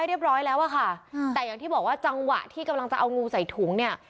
แต่อย่างที่บอกว่าจังหวะที่จะเอางูในถุงเนี่ย